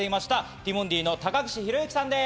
ティモンディの高岸宏行さんです。